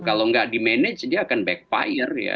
kalau nggak di manage dia akan backfire ya